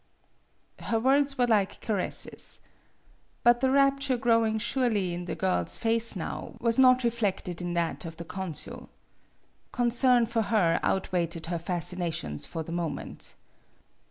Her words were like caresses. But the rapture growing surely in the girl's MADAME BUTTERFLY 65 face now was not reflected in that of the consul. Concern for her outweighed her fascinations for the moment.